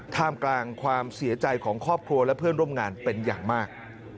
ท่ามกลางความเสียใจของครอบครัวและเพื่อนร่วมงานเป็นอย่างมาก